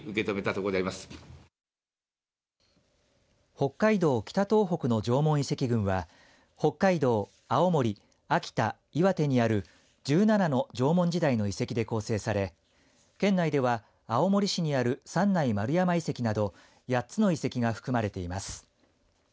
北海道・北東北の縄文遺跡群は北海道、青森秋田、岩手にある１７の縄文時代の遺跡で構成され県内では青森市にある三内丸山遺跡など８つの遺跡が含まれています。